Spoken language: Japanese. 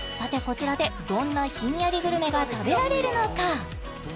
こちらでどんなひんやりグルメが食べられるのか？